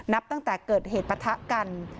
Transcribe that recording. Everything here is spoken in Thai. ตั้งแต่เกิดเหตุปะทะกัน